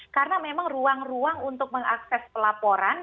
karena memang ruang ruang untuk mengakses pelaporan